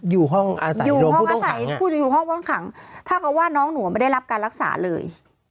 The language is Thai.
อยู่ห้องอาศัยโรงผู้ต้องขังอยู่ห้องอาศัยผู้ต้องขังถ้าเขาว่าน้องหนูไม่ได้รับการรักษาเลย